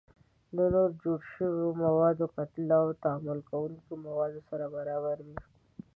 د نوو جوړ شویو موادو کتله د تعامل کوونکو موادو سره برابره وي.